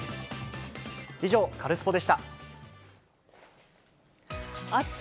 以上、カルスポっ！でした。